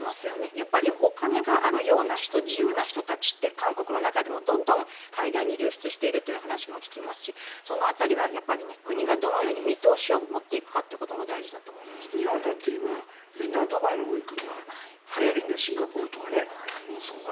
やっぱりお金があるような人自由な人たちって韓国の中でも、どんどん海外に流出している話も聞きますしその辺りは国がどのように見通しを持っていくかということも日本だって今みんなドバイに行くのがはやりでシンガポールとかね。